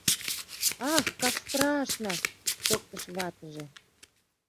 — Ах, как страшно! — шоктыш ватыже.